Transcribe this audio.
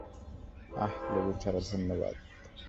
আহ, লেবু ছাড়া, ধন্যবাদ।